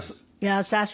優しい。